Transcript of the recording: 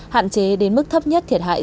hạn chế đến mức thấp nhất thiệt hại